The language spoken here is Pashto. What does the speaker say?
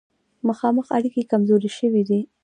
مخامخ اړیکې کمزورې شوې دي.